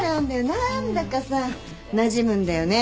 何だかさなじむんだよね。